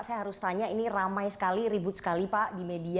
saya harus tanya ini ramai sekali ribut sekali pak di media